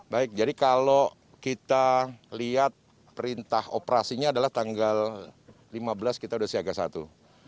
baik jadi kalau kita lihat perintah operasinya adalah tanggal lima belas kita sudah siaga satu